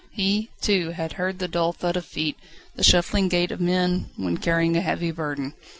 He, too, had heard the dull thud of feet, the shuffling gait of men when carrying a heavy burden.